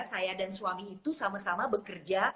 saya dan suami itu sama sama bekerja